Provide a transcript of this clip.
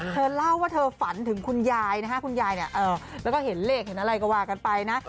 เธอเล่าว่าเธอฝันถึงคุณยายแล้วก็เห็นเลขอะไรกว้างกันไปนะ